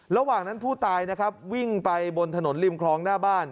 ระหว่างนั้นผู้ตายนะครับวิ่งไปบนถนนริมคลองหน้าบ้าน